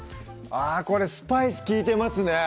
あこれスパイス利いてますね